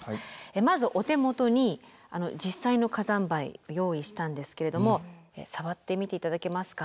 まずお手元に実際の火山灰を用意したんですけれども触ってみて頂けますか。